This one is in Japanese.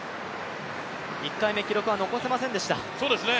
１回目、記録は残せませんでした。